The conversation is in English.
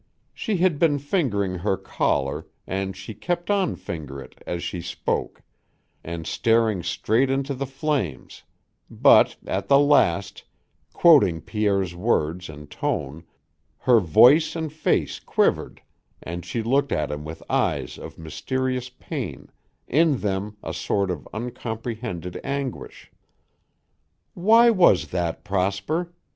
She had been fingering her collar and she kept on fingering it as she spoke and staring straight into the flames, but, at the last, quoting Pierre's words and tone, her voice and face quivered and she looked at him with eyes of mysterious pain, in them a sort of uncomprehended anguish. "Why was that, Prosper?"